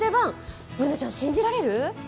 Ｂｏｏｎａちゃん、信じられる！？